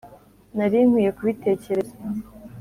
nari nkwiye kubitekereza.